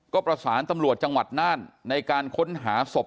กลุ่มตัวเชียงใหม่